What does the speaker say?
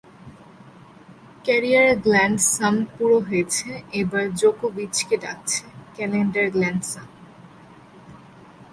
Career grand slam পুরো হয়েছে, এবার জোকোভিচকে ডাকছে ক্যালেন্ডার গ্র্যান্ড স্লাম।